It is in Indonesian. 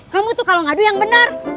kamu tuh kalau ngadu yang benar